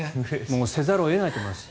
せざるを得ないと思います。